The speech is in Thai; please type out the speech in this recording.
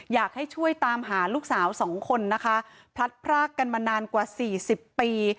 อยากให้ช่วยตามหาลูกสาวสองคนนะคะพลัดพรากกันมานานกว่าสี่สิบปี